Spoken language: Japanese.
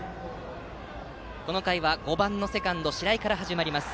この回は５番のセカンド白井から始まります。